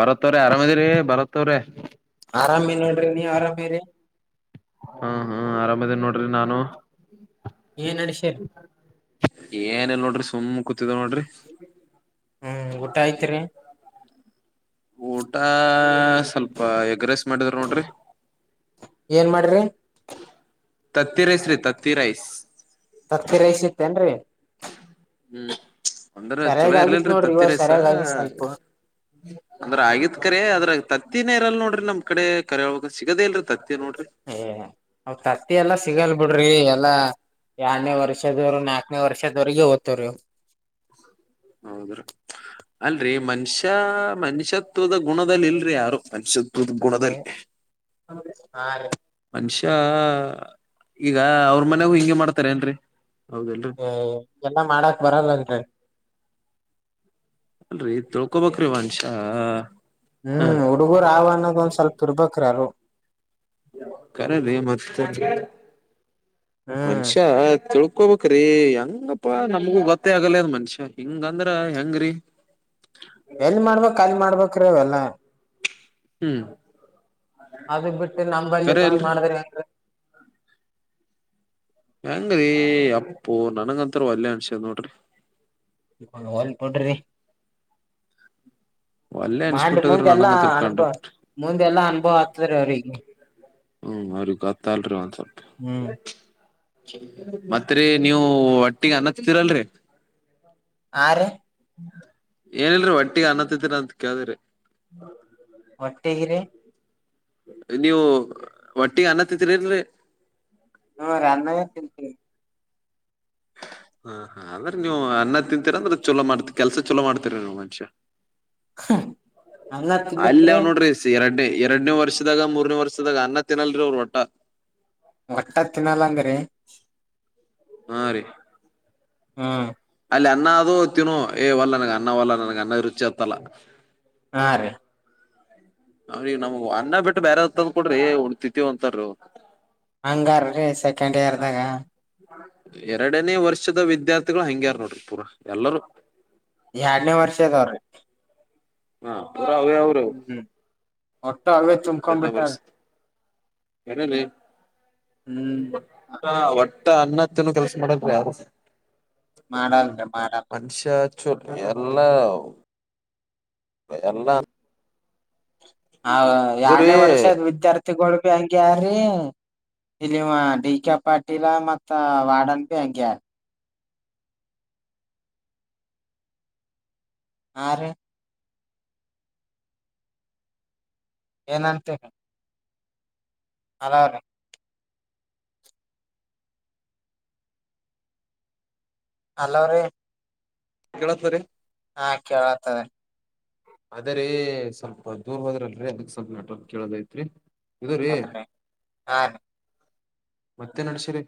ಭರತ್ ವರೇ ಆರಾಮದಿರೀ ಭರತ್ ಅವರೇ ಆರಾಮ್ ಇದಿನ್ ರೀ ನೀವ್ ಆರಾಮೆರಿ. ಅ ಅ ಆರಾಮ್ ಇದ್ದೀನ್ ನೋಡ್ರಿ ನಾನು. ಏನ್ ನಡಸಿರಿ ಏನಿಲ್ಲ ನೋಡ್ರಿ ಸುಮ್ಮ್ ಕೂತಿದ್ದೆ ನೋಡ್ರಿ. ಹ್ಮ್ ಊಟ ಆತ್ ರೀ ಊಟಾ ಸ್ವಲ್ಪ ಎಗ್ ರೈಸ್ ಮಾಡಿದ್ರ ನೋಡ್ರಿ. ಏನ್ ಮಾಡ್ರಿ ತತ್ತಿ ರೈಸ್ ರೀ ತತ್ತಿ ರೈಸ್. ತತ್ತಿ ರೈಸ್ ಇತ್ತೇನ್ ರೀ ಹ್ಮ್ ಅಂದ್ರೆ ಸರಿಯಾಗ ಚಲೋ ಆಗಿತ್ ಇರ್ಲಲ್ ರೀ ನೋಡ್ರಿ ತತ್ತಿ ಇವಾಗ ರೈಸ್ ಸರಿಯಾಗ ಆಗಿತ್ ಸ್ವಲ್ಪ ಅಂದ್ರೆ ಆಗಿತ್ ಕರಿ ಅದ್ರಗ ತತ್ ತಿನೆ ಇರಲ್ ನೋಡ್ರಿ ನಮ್ ಕಡೆ ಕರೆವಗ ಸಿಗದೇ ಇಲ್ ರೀ ತತ್ ಏ ಅವ ತತ್ತಿ ಎಲ್ಲಾ ಸಿಗಲ್ ಬಿಡ್ರಿ ಎಲ್ಲಾ ಎರಡನೇ ವರ್ಷದವರು ನಾಕನೇ ವರ್ಷದವರೆಗೆ ಹೊತ್ತರೀ ಅವು ಹೌದ್ರೀ ಅಲ್ರರಿ ಮನುಷ್ಯ ಮನುಷ್ಯತ್ವದ ಗುಣದಲ್ಲಿ ಇಲ್ರಿ ಯಾರು [unintelligible] ಗುಣದಲ್ಲಿ ಹಾ ರೀ ಮನುಷ್ಯ್ ಈ ಈಗ ಅವ್ರ ಮನ್ಯಾಗು ಹಿಂಗೆ ಮಾಡ್ತಾರೆ ಏನ್ರರಿ ಹೌದಲ್ರರಿ ಒ ಎಲ್ಲ ಮಾಡಾಕ್ ಬರಲ್ಲ ನ ಪ್ರರಿವಂಶ [unintelligible] ಹ್ಮ್ ಹುಡುಗೂರ ಆವರ್ ಅನ್ನೋದ ಒಂದ್ ಸ್ವಲ್ಪ ಇರ್ಬಕ್ರರು ಕರದ ಮತ್ತೆ [unintelligible] ಹ್ಮ್ ಮನುಷ್ಯ [unintelligible] ಅಕೋಬಕ್ ಹೆಂಗಪ್ಪಾ ನಮ್ಗೂ ಗೊತ್ತೇ ಆಗಲ್ಲ ಅಂದ್ ಮನಷ್ಯ ಹಿಂಗಂದ್ರೆ ಹೆಂಗ್ರೀ ಎಲ್ ಮಾಡ್ಬೇಕ್ ಅಲ್ ಮಾಡ್ಬೇಕ್ರೀ ಎಲ್ಲಾ ಹ್ಮ್ ಅದು ಬಿಟ್ಟು ನಮ್ಮಂಬಲ್ಲಿ ಕರೆ ಅಲ್ರಿ ಮಾಡಿದ್ರಂದೆ ಹೆಂಗ್ ರೀ ಅಪ್ಪು ನನಂಗಂತಾರು ವಲ್ಲೇ ಅನ್ಸದ್ ನೋಡ್ರಿ ಹೊಲ್ಬಿಡ್ರೀ ಒಲ್ಲೆ ಮಾಡ್ಲಿ ಅನ್ಸ್ಬಿಟ್ಟದ್ರ ಮುಂದೆಲ್ಲಾ ನನಗಂತರ ಕಂಡ ಅನುಭವ ಮುಂದೆಲ್ಲಾ ಅನುಭವ ಆಗ್ತದೆ ರೀ ಅವ್ರಿಗೆ ಹ್ಮ್ ಅವರಿಗೆ ಗೊತ್ತಾಗಲ್ರೀ ಒಂದ್ ಸ್ವಲ್ಪ ಹ್ಮ್ ಮತ್ ರೀ ನೀವು ಹೊಟ್ಟಿಗೆ ಅನ್ನ ತಿಂತಿರ ಇಲ್ಲ ರೀ ಆರೆ ಏನಿಲ್ಲ ರೀ ಹೊಟ್ಟಿಗೆ ಅನ್ನ ತಿಂತೀರ ಅಂತ ಕೇಳ್ದಿರಿ ಹೊಟ್ಟಿಗೆ ರೀ ನೀವು ಹೊಟ್ಟಿಗೆ ಅನ್ನ ತಿಂತಿರ ಇಲ್ರೀ ಹೂ ರಿ ಅನನ್ನೇ ತಿಂತೀವಿ. ಹ್ಮ್ಮ್ ಅಂದ್ರ ನೀವು ಅನ್ನ ತಿಂತೀರ ಅಂದ್ರ ಚಲೋ ಮಾಡ್ತಿ ಕೆಲ್ಸ ಚಲೋ ಮಾಡ್ತೀರ ನೀವ್ ಮನುಷ್ಯ. ಅನ್ನ ತಿನ್ಲಿಕ್ರಿ ಅಲ್ಯವ್ ನೋಡ್ರಿ ಸೇರಡ್ಡಿ ಎರಡ್ನೇ ವರ್ಷದಾಗ ಮೂರನೇ ವರ್ಷದಾಗ ಅನ್ನ ತಿನ್ನಲ್ರಿ ಅವರ ಒಟ್ಟ. ಒಟ್ಟ ತಿನ್ನಲ್ಲಂದ್ರಿ. ಹಾ ರೀ ಹಂ ಅಲ್ಲಿ ಅನ್ನ ಅದು ತಿನು ಏವಲ್ಲ ನನ್ಗ ಅನ್ನವಲ್ಲ ನನಗ ಅನ್ನ ರುಚಿ ಹತ್ತಲ್ಲ. ಹಾ ರಿ ಅವ್ರಿಗ್ ನಮ್ಗ ಅನ್ನ ಬಿಟ್ಟ ಬ್ಯಾರೆದ ತಂದುಕೊಡ್ರಿ ಉಣ ತಿತ್ತೀವ್ ಅಂತರವರು. ಹಂಗಾರ್ರಿ ಸೆಕೆಂಡ್ ಇಯರ್ದಾಗ. ಎರಡನೇ ವರ್ಷದ ವಿದ್ಯಾರ್ಥಿಗಳು ಹಂಗ್ಯಾರ್ ನೋಡ್ರಿ ಪೂರಾ ಎಲ್ಲರೂ. ಎರಡನೇ ವರ್ಷದವ್ರಿ ಹಾ ಪುರ ಅವೇ ಅವ್ರಿ ಅವು. ಎಲ್ಲಾ ಅವೇ ತುಂಬ್ಕೊಂಡ್ ಬಿಟ್ಟವ್. ಏನ ಲೇಟ್ ಹ್ಮ್ [unintelligible] ಒಟ್ಟ ಅನ್ನ ತಿನ್ನೋ ಕೆಲಸ ಮಾಡಲ್ಲ್ರಿ ಯಾರು. ಮಾಡಲ್ರಿ ಮಾಡಲ್ರಿ. ಚೂ ಎಲ್ಲಾ ಎಲ್ಲಾ ಹಾ ಇದುರೀ ಯಾಡ್ನೇ ವರ್ಷದ್ ವಿದ್ಯಾರ್ಥಿಗಳು ಬಿ ಹಂಗೆ ಹಾರಿ. ಇಲ್ಲಿ ಇವ ಡಿ ಕೆ ಪಾಟೀಲ ಮತ್ತ ವಾರ್ಡನ್ ಬಿ ಹಂಗೆ ಹಾರ. ಹಾರಿ. ಏನಂತರಿ. ಹಲೋ ರೀ. ಅಲೋರಿ. ಕೆಳೆತದ ರಿ. ಹಾ ಕೇಳತದ ರಿ. ಅದೇ ರಿ ಸ್ವಲ್ಪ ದೂರ್ ಹೋದ್ರಲ್ರಿ ಅದಕ್ ಸ್ವಲ್ಪ ನೆಟ್ವರ್ಕ್ ಕೇಳಲ್ ಹೋಯ್ತ್ರಿ. ಇದು ರೀ ಹೌದ್ರಿ ಹಾ ರೀ ಮತ್ತೇನ್ ನಡ್ಸಿರಿ.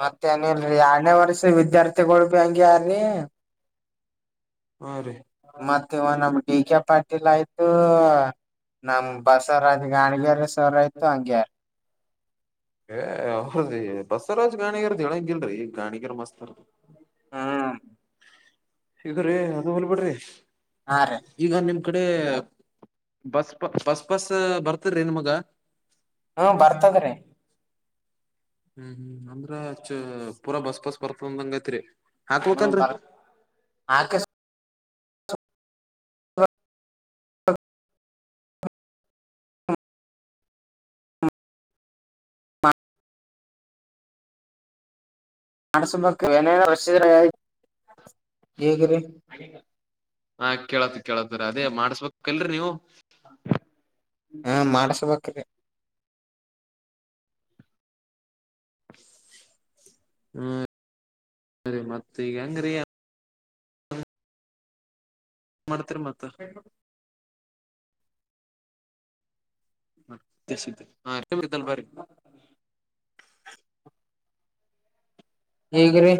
ಮತ್ತ ಏನಿಲ್ರಿ ಯಾಡ್ನೆ ವರ್ಷದ ವಿದ್ಯಾರ್ಥಿಗಳು ಬಿ ಹಂಗೆ ಹಾರೀ ಹಾ ರೀ. ಮತ್ತ ಇವ ನಮ್ ಡಿ ಕೆ ಪಾಟೀಲ್ ಆಯ್ತು ನಮ್ ಬಸವರಾಜ್ ಗಾಣಿಗೇರಿ ಸರ್ ಆಯ್ತು ಹಂಗೆ ಹಾರ್. ಏ ಅವ್ರದಿ ಬಸವರಾಜ್ ಗಾಣಿಗರದ ಹೇಳಂಗಿಲ್ರಿ ಗಾಣಿಗಿರ್ ಮಸ್ತ್ ಹರಾ. ಹ್ಮ್ ಇದು ರೀ ಅದು ಹೊಲ್ಬಿಡ್ರಿ ಹಾ ರೀ ಈಗ ನಿಮ ಕಡೆ ಬಸ್ ಪಾ ಬಸ್ ಪಾಸ್ ಬರ್ತದ್ರೀ ನಿಮಗ. ಹ್ಮ ಬರ್ತದ್ರಿ. ಹ್ಮ್ ಹ್ಮ್ ಅಂದ್ರ ಅಚ್ಚ ಪೂರಾ ಬಸ್ ಪಾಸ್ ಬರ್ತದ ಅಂದಗಾಯ್ತ್ರಿ. ಹ್ಮ್ ಬರ್ ಹಾಗಕ [unintelligible] [unintelligible] ಈಗ್ರಿ ಹಾ ಕೇಳತ್ ಕೇಳತ್ರಿ ಅದೇ ಮಾಡಿಸಬೇಕ. ಕಲ್ರಿ ನೀವು. ಹ ಮಾಡಸ್ಬೇಕ್ರರಿ ಹು ಸರಿ ಮತ್ತಿ ಈಗ ಹೆಂಗರಿ ಮಾಡ್ತರಿ ಮತ್ತ. [unintelligible] ಹೇಗ್ರಿ.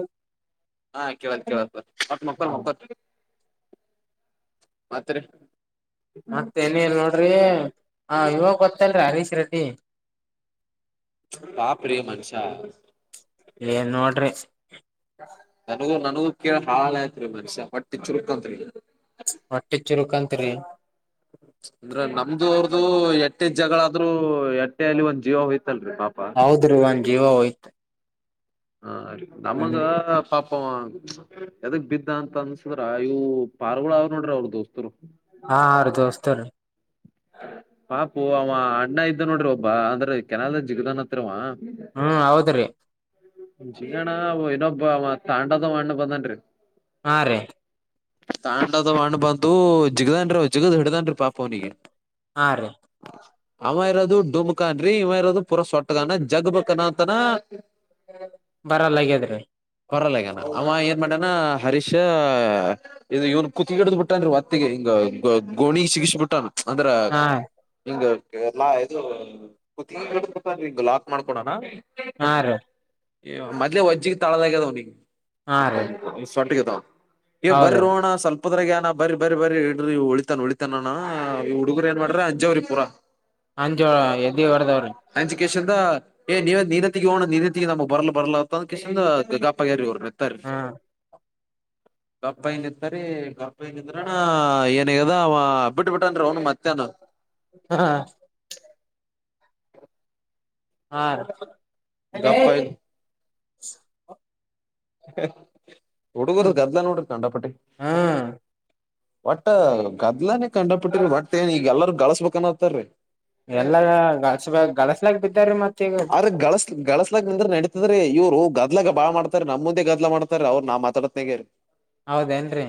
ಹಾ ಕೇಳತ್ ಕೇಳತದ ಮತ್ತ ಮೊಕ್ಕೊರಿ ಮೊಕ್ಕೊರಿ ಮತ್ರಿ. ಮತ್ತ ಏನೂ ಇಲ್ಲ ನೋಡ್ರಿ ಆ ಇವಾಗ ಗೊತ್ತಲ್ರಿ ಹರೀಶ್ ರೆಡ್ಡಿ. ಪಾಪ್ರಿ ಮನ್ಶ್ಯಾ. ಏನ್ ನೋಡ್ರಿ. ನನಗೂ ನನಗೂ ಕೇಳ ಹಳಾಳ ಆಯತ್ರಿ ಮನುಷ್ಯ ಹೊಟ್ಟಿ ಚುರುಕಂತ್ರಿ. ಹೊಟ್ಟಿ ಚುರುಕಂತರಿ. ಪ್ಚ್ ಅಂದ್ರ ನಮ್ಮದು ಅವ್ರದು ಎಟ್ಟೆ ಜಗಳಾದ್ರರು ಎಟ್ಟೆ ಅಲ್ಲಿ ಒಂದ್ ಜೀವ ಹೋಯ್ತ ಗತಲ್ಲರಿ ಪಾಪ ಜೀವಾ ಹೋಯ್ತ ಹಾ ರಿ ನಮಗ ಪಾಪ ಹು ಪ್ಚ್ ಎದಕ್ ಬಿದ್ದ ಅಂತ ಅನ್ಸಿದ್ರ ಇವು ಪಾರಿವಳಾ ಅವ್ರರು ನೋಡ್ರಿ ಅವರು ದೋಸ್ತರುವು ಹಾ ರಿ ದೋಸ್ತ ಟಕ್ ಪಾಪು ಅವ ಅಣ್ಣಾ ಇದ್ದ ನೋಡ್ರಿ ಒಬ್ಬ ಅಂದ್ರೆ ಕೆನಾಲದಾಗ ಜಿಗದಾನತ್ರಿ ಅವಾ ಹಾ ಹೌದರಿ ಜಿಗಣ ಇನೋಬ್ಬವಾ ತಾಂಡದವ ಅಣ್ಣ ಬಂದಾನಡ್ರಿ ಹಾ ರೀ ತಾಂಡಾದವ ಅಣ್ಣ ಬಂದು ಜಿಗದಾನಡ್ರಿ ಅವ ಜಿಗದ ಹಿಡದಾನಡ್ರಿ ಪಾಪ ಅವನಿಗೆ ಹಾ ರಿ ಇದು ಡುಮಕಾಂಡ್ರಿ ಇವ ಇರೋದು ಪೂರ ಸೊಟ್ಟದಾನ ಜಗ್ಬೇಬೇಕ ಅನ್ನಾಕತ್ತಾನ ಹು ಬರಲ್ಲಗ್ಯದ್ರಿ ಬರಲ್ಲ ಅಗಾನ ಅವ ಏನ್ ಮಾಡ್ಯಾನ ಹರೀಶ್ ಇದು ಇವನ್ ಕೂತಗಿ ಬಿಟ್ಟ ಬಿಟ್ಟನಡ್ರಿ ಓತ್ತಿಗೆ ಹಿಂಗ ಗೋಣಿ ಸಿಗಸಿ ಬಿಟ್ಟಾನ ಅಂದ್ರ ಹಾ ಇಗ ಕೇರಳಾ ಇದು ಕುತ್ತಗಿಗೆ ಹಿಡದ ಬಿದ್ದಾರಿ ಮಾಡ್ಕೊಡಾನಾ ಹಾ ರೀ ಮೊದ್ಲೇ ಒಜ್ಜಿಗೆ ತೆಳದಾಗ್ಯದ ಅವನಿಗೆ ಹಾ ರೀ ಹೊಕ್ಕೇನಿ ಸಣ್ಣಗಿದ್ದಾವ ಈ ಬರ ಹೌದ ಅಣ್ಣಾ ಸ್ವಲ್ಪ ನಮ್ಮದ್ರಾಗನ ಬರಿ ಬರಿ ಬರರಿ ಇಡ್ರಿ ಉಳಿತಾನನ್ ಉಳಿತಾನಾನ ಈ ಹುಗರು ಏನ್ ಮಾಡವರ ಅಂಜಾವರಿ ಪುರಾ ಅಂಜೋಳಾ ಎದಿ ವಡದಾವರಿ ಎ ನಿನ ನಿನ ತಗಿಯೋ ಅಣ್ಣಾ ನಿನ ತಗಿ ನಮ್ಮಗ ಬರಲ್ಲಾ ಬರಲ್ಲಾ ಅದ್ ಅಂದಕೇಶಿದ ಗಪ್ಪಆಗ್ಯಾರಿ ಇವರ ಬಿದ್ದರರಿ ಹ್ಮ್ ಗಪ್ಪಆಗಿನಿತ್ತಾರಿ ಗಪ್ಪಆಗಿ ನಿಂದ್ರನ ಏನಾಗೇದ ಅವಾ ಬಿಟ್ಟ ಬಿಟ್ಟ ಟ್ಟಾನಡ್ರಿ ಅವನು ಮತ್ತೆ ಏನು ಹಾ ಪ್ಚ್ ಟಕ್ ಹಾ ರಿ ಗಪ್ಪ ಇದ್ದ ಹಕ್ ಹುಡುಗುರು ಗದ್ಲ ನೋಡು ಗಂಡಪಟ್ಟಿ ಹ ಹ್ಮ್ ಒಟ್ಟ ಗದ್ಲಾನೇ ಕಂಡಪಿಟ್ಟ್ರಿ ಒಟ್ಟ ಏನ್ ಈಗ ಎಲ್ಲಾರ ಗಳಸ್ಬೇಕನ್ನಾಕತ್ತಾರಿ ಎಲ್ಲಾ ಗಾಡ್ಸಬ್ಯಾಕ್ ಗಡಾಸ್ಯಾಕೆ ಆರ್ ಗಳಸ್ಲಿ ಗಳಸ್ಲಿ ಬಗ್ಗಿ ನಿಂದ್ರ ನಡೀತದ್ರಿ ಇವ್ರು ಗದ್ಲಗ ಬಾಳ ಮಾಡತಾರೆ ನಮ್ಮ ಮುಂದೆ ಗದ್ಲ ಮಾಡ್ತಾರೆ ಅವ ನಾ ಮಾತಾಡವತ್ತ್ಯಗ ಹೌದೇನ್ರಿ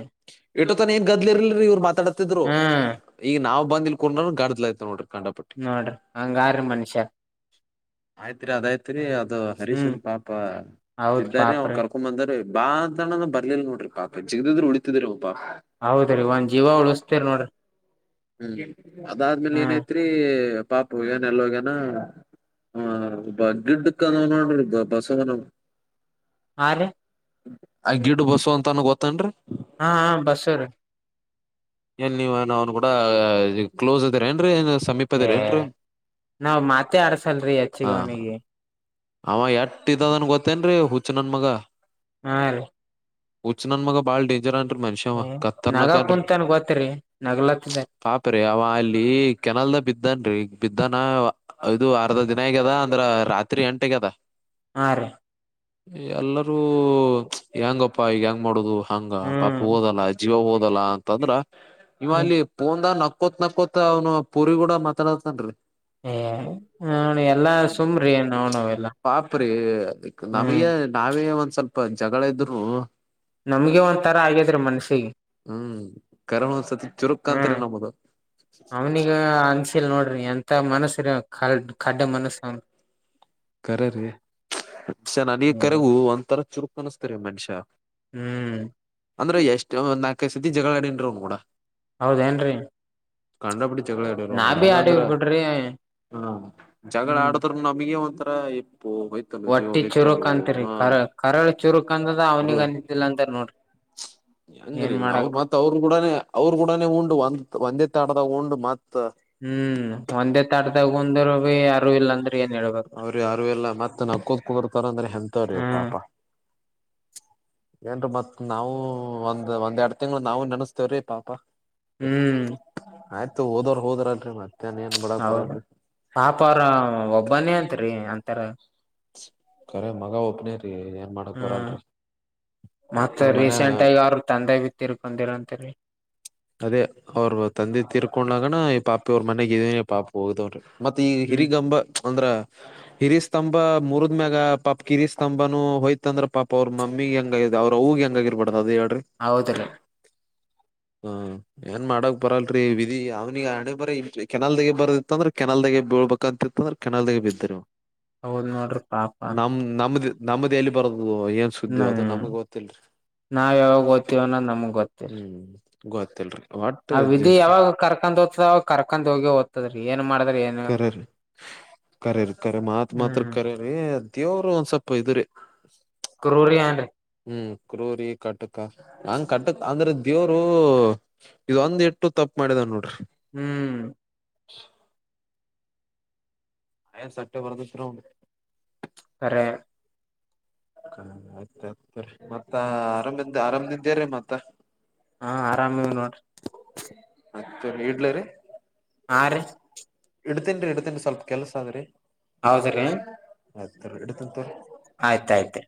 ಎಟೋತಾನಾ ಏನ್ ಗದ್ಲಿ ಇರ್ಲ್ರಿರಿ ಇವ್ರು ಮಾತಾಡತಿದ್ರು ಹ್ಮ್ ಈಗ ನಾವು ಬಂದಿಲ್ ಕುಂಡ್ರೋನ್ ಗಡ್ದಜಲಿ ಆಯತ ನೋಡ್ರಿ ಕಂಡಪಟ್ಟಿ ನೋಡ್ರಿ ಹಂಗಾರ ಮನುಷ್ಯ ಆಯ್ತ್ರಿ ಅದಾಯ್ತ್ರಿ ಅದು ಹ್ಮ್ ಹರೀಶನ ಪಾಪ ಹೌದ್ ಅವ್ ಪಾಪ್ರಿ ಕರ್ಕೊಂಡ್ ಬಂದಾರಿ ಬಾ ಅಂತಾನಂದ ಬರ್ಲಿಲ್ಲ ನೋಡ್ರಿ ಪಾಪ ಜಿಗದಿದ್ ಉಳಿತಿದ್ರು ಹೌದ್ರಿ ಒಂದ ಜೀವ ಉಳಸ್ತೇರಿ ನೋಡ್ರಿ. ಹ್ಮ್ ಅದಾದ್ಮೇಲೆ ಹ್ಮ್ ಏನೈತ್ರಿ ಪಾಪು ಏನ ಎಲ್ಲೋಗನ ಹೂಆ ಬಗ್ಗಿದ್ದಕ್ ನೋ ನೋಡ್ರಿ ಬಸ್ಸವನು ಹಾ ರಿ ಅಲ್ಲಿ ಗಿಡ್ಡ ಬಸ್ಸು ಅಂತನ ಗೊತ್ತನಡ್ರಿ ಹಾ ಹಾ ಬಸ್ಯಾರಿ ಏಲ್ಲಿ ನೀವೆನ್ ಅವ್ನು ಕೂಟಾಗ ಕ್ಲೋಸ್ ಅದಿರೆಡ್ರಿ ಏನ್ ಸಮೀಪ ಹು ಅದಿರ ಏನ್ರೀ ನಾವ್ ಮಾತೆ ಆಡ್ಸಲಡ್ರಿ ಹೆಚ್ಚಿಗೆ ಹಾ ಅವನಿಗೆ ಅವ ಎಟ್ಟ ಇದ್ದದನ್ ಗೊತ್ತೇನ್ರಿ ಹುಚ್ಚ ನನ್ ಮಗಾ ಹಾ ರೀ ಹಚ್ಚ ನನ್ನ ಮಗಾ ಬಾಳ ಡೇಂಜರ್ ಅನ್ರಿ ಮನುಷ್ಯ ನಗ ಕತ್ತರ್ನಕ ಅನ್ರಿ ಕುಂತನ್ ಗೊತ್ರಿ ನಗ್ಲತ್ತದ ಪಾಪ್ರೀ ಅವ ಅಲ್ಲಿ ಕೆನಲ್ದ ಬಿದ್ದ ಬಿದ್ದನ ಈಗ ಬಿದ್ದಾನ ಇದು ಅರ್ಧ ದಿನ ಆಗ್ಯದ ಅಂದ್ರ ರಾತ್ರಿ ಎಂಟಗ ಅದ. ಆ ರಿ. ಎಲ್ಲರೂ ಹೆಂಗಪ್ಪಾ ಈಗ ಹೆಂಗ್ ಮಾಡುದು. ಹಂಗ ಪಾಪ ಹ್ಮ್ ಹಓದಲ್ಲ ಜೀವ ಹಓದಲ್ಲ ಅಂತಂದ್ರ ಇವಾ ಅಲ್ಲಿ ಪೋಂದಗ. ಹಕೋತ್ ನಕೋತ್ ಅವ್ನು ಪೂರಿ ಗೂಡ ಮಾತಾಡತನ್ರಿ. ಹ ಎಲ್ಲಾ ಸುಮ್ರಿ ನೋ ಪಾಪ್ರಿ ಅ ಹ್ಮ್ ನಮಗೆ ನಾವೇ ಒಂದ್ ಸ್ವಲ್ಪ ಜಗಳ ಇದ್ರು. ನಮ್ಗೆ ಒಂಥರಾ ಆಗ್ಯಿದ್ರಿ ಮನ್ಸಿಗೆ. ಕರಳು ಒಂದ್ಸತಿ ಚುರುಕ್ ಅಂತರಿ ಹ್ಮ್ ನಮ್ಮದು. ಅವ್ನಿಗ ಅನ್ಸಿಲ್ ನೋಡ್ರಿ ಎಂತ ಮನಸರ ಕಡ್ ಮನಸ್ಸ. ಕರ ರೀ ಮನುಷ್ಯ ನನಗೆ ಕರಗೂ ಒಂದ ತರ ಚುರುಕ್ ಅನಿಸತರಿ ಮನುಷ್ಯ. ಹ್ಮ್ ಅಂದ್ರೆ ಎಷ್ಟ ಒಂದ ನಾಕೈ ಸತಿ ಜಗಳಾಡನ್ರು ಕೂಡ. ಹೌದ ಏನ್ರಿ. ಕಂಡಪಿಡಿ ಜಗಳ ಅಡಿವಿ [unintelligible] ಅಂದ್ರೆ. ಬಿಡ್ರಿ ಹಾ ಜಗಳ ಹ್ಮ್ ಆಡದರು ನಮಗೆ ಒಂಥರ. ಹೊಯ್ತಲು ಜೀವ ಒಟ್ಟಿ ಚುರುಕ್ ಹೊಯ್ತಲು ಕಂತರಿ ಹ ಕರ ಕರಳ ಚುರುಕ್ಂದದ ಮರಳ ಅವ್ನಿಗೆ ಅಂದಿದ್ದಿಲ್ಲ ಅಂದ ನೋಡ್ರಿ. ಹೆಂಗ್ರೀ ಏನ್ ಅವ್ರರು ಮಾಡಕ್ ಮತ್ತ ಅವರು ಕೂಡನೆ ಅವರು ಕೂಡ. [unintelligible] ಒ ಒಂದೇ ತಡದ ಉಂಡು ಮತ್ತ. ಹ್ಮ್ ಒಂದೇ ತಡದಗಂದರು ಭ ಯಾರೂ ಇಲ್ಲ ಅಂದ್ರೆ ಏನ್ ಹೇಳ್ಬೇಕು. ಅವ್ರಿ ಯಾರು ಎಲ್ಲ ಮತ್ತ ನಕ್ಕೊಂಡ ಕುೂರ್ತಾರ ಅಂದ್ರೆ ಎಂಥವ್ರು ಹ್ಮ್ ಪಾಪ. ಏನ್ರಿ ಮತ್ತ್ ನಾವು ಒಂದ್ ಒಂದ್ೆರಡ್ ತಿಂಗಗಳು ನಾವವು ನೆನಸ್ತೇವ್ರೀ ಪಾಪ ಹ್ಮ್ ಆಯ್ತು ಹದೋ ಹೋದ್ರನ್ ಮತ್ ಹೌದ ಪಾಪ ಅವ್ರ ಒಬ್ಬನೇ ಅತ್ರಿ ಅಂತಾರ ಖರ ಮಗ ಒಪ್ನೇರಿ ಏನ್ ಮಾಡಕ್ ಹ್ಮ್ ಬರಲ್ರರಿ. ಮತ್ತ ಅವ್ರ ಮನ್ಯಾಗ ರೀಸೆಂಟ್ ಆಗಿ ಅವ್ರ ತಂದೆ ಬಿ ತಿರ್ಕೊಂಡಿರಂತರಿ ಅದೇ ಅವ್ರ [unintelligible] ತಿರ್ಕೊಂಡಾಗನ ಈ ಪಾಪಿ ಅವ್ರ ಮನೆಗ ಇದೀನಿ ಪಾಪು. [unintelligible] ಮತ್ತೆ ಈ ಹ್ಮ್ ಹಿರಿಗಂಬ ಅಂದ್ರ ಹಿರಿ ಸ್ತಂಭ ಮೂರು. ಮ್ಯಾಗ ಪಾಪ [unintelligible] ಕಿ ಸ್ತಂಭನು ಹೋಯ್ತ ಅಂದ್ರ ಪಾಪ ಅವ್ರ ಮಮ್ಮಿ ಗೆ ಹೆಂಗ ಇ ಅವ್ರರುೂಗೆ [unintelligible] ಹೆಂಗಾಗಿ ಇರ್ಬಾರ್ದದು ಅದು ಎರಡು ಹೌದ ರೀ. ಹಾ ಏನ್ ಮಾಡಕ್ ಬರಲ್ರರಿ ವಿಧಿ ಅವ್ನಿಗೆ ಹಣೆ ಬರ ಕೆನಲ್ದಾಗೆ ಬರದಿತ್ತ ಅಂದ್ರೆ ಕೆನಲ್ದಾಗ. ಬೀಳ್ಬೇಕಂತತ್ತಂದ್ರೆ ಕೆನಲ್ದಾಗ ಬಿದ್ದರು. ಹೌದ್ ನೋಡ್ರಿ ಪಾಪ. ನಮ್ಮ್ದ ಎಲ್ಲಿ ಬರದು ಏನ್ ಸುದ್ದಿ ಅದು ಹ್ಮ್ ನಮ್ಗ್ ಗೊತ್ತಲ್ರಿ. ನಾವ್ ಯಾವಾಗ ಓದ್ತಿವ ಅನ್ನೋದ್ ನಮಗ್ ಗೊತ್ತಿಲ್ಲ ಹ್ಮ್ ಗೋತ್ತಲ್ರಿ. ಆ ವಿಧಿ ಯಾವಾಗ ಕರ್ಕೊಂಡ್ ಹೋಗ್ತದೋ ಅವಾಗ ಕರ್ಕೊಂಡ್ ಹೋಗೆ ಹೋಗ್ತದ್ತದ್ರೀ. ಕಖರರಿ ಕಖರಿರಿ ಕಖರೆ ಮಾತ್ ಮಾತ್ರ ಹ್ಮ್ ಕರೆರಿ. ದೇವರು ಒಂದ್ ಸ್ವಲ್ಪ ಇದು ರಿ. ಕ್ರೂರಿ [unintelligible] ಹ್ಮ್ ಕ್ರೂರಿ ಕಟಕ ನಂಗ ಕಟಕ್ ಅಂದ್ರೆ ದೇವ್ರು ಇದ ಒಂದ್ ಇಟ್ಟು ತಪ್ಪು. [unintelligible] ನೋಡ್ರರಿ ಹ್ಮ್ [inaudible] [unintelligible] ಕರೆ. [unintelligible] ಮತ್ತ ಆರಾಮಿಂದ ಆರಾಮದಿದ್ದಾರೀ ಮತ್ತ. ಹಾ ಆರಾಮಿವ್ ನೋಡ್ರಿ ಮತ್ತೆ ಇಡ್ಲರಿ. ಆರೆ ಇಡ್ತನ್ ಇಡ್ತೀನಿ ಸ್ವಲ್ಪ ಕೆಲ್ಸ ಆದ್ರಿ ಹೌದ್ರಿ ಆಯ್ತು ಇಡ್ತಿನ್ ತಗೊಳ್ಳಿ. ಆಯ್ತಾಯ್ತು.